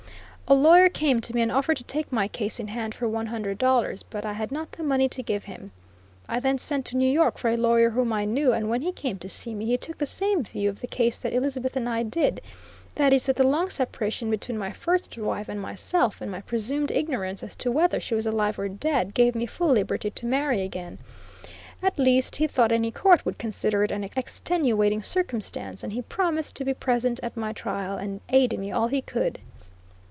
A lawyer came to me and offered to take my case in hand for one hundred dollars, but I had not the money to give him. I then sent to New York for a lawyer whom I knew, and when he came to see me he took the same view of the case that Elizabeth and I did; that is, that the long separation between my first wife and myself, and my presumed ignorance as to whether she was alive or dead, gave me full liberty to marry again. At least, he thought any court would consider it an extenuating circumstance, and he promised to be present at my trial and aid me all he could.